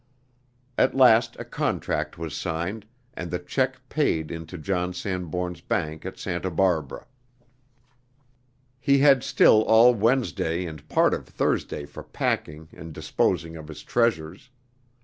At last a contract was signed, and the check paid into John Sanbourne's bank at Santa Barbara. He had still all Wednesday and part of Thursday for packing and disposing of his treasures.